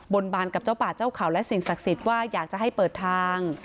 บนบานกับเจ้าป่าเจ้าเขาและสิ่งศักดิ์สิทธิ์ว่าอยากจะให้เปิดทาง